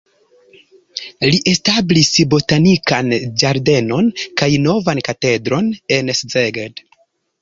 Li establis botanikan ĝardenon kaj novan katedron en Szeged.